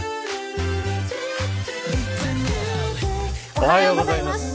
おはようございます。